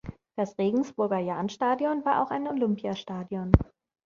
Das Regensburger Jahnstadion war auch ein Olympiastadion.